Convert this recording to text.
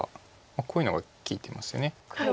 こういうのが利いてますよね。